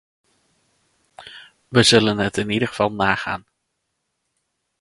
We zullen het in ieder geval nagaan.